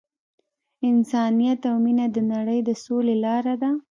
انسانیت او مینه د نړۍ د سولې لاره ده.